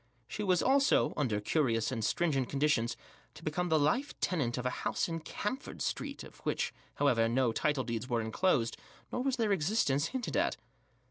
She was also, under curious and stringent conditions, to become the life tenant of a house in Camford Street of which, however, no title deeds were enclosed, nor was their existence hinted at.